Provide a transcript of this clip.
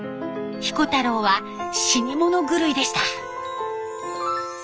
彦太郎は死に物狂いでした。